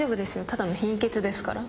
ただの貧血ですから。